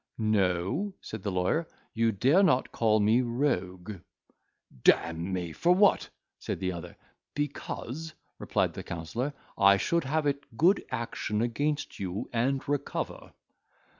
"No," said the lawyer, "you dare not call me rogue." "D—me, for what?" said the other. "Because," replied the counsellor, "I should have it good action against you, and recover."